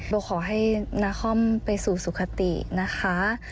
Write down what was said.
เบลล์ขอให้นักคล่อมไปสู่สุขตินะคะ